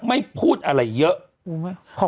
ไม่พูดอะไรเยอะปลดกฏ